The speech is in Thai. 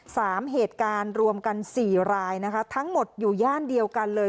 เหตุการณ์รวมกันสี่รายนะคะทั้งหมดอยู่ย่านเดียวกันเลย